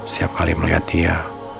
setiap kali melihat dia